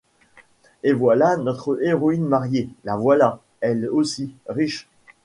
Et voilà notre héroïne mariée ; la voilà, elle aussi, riche.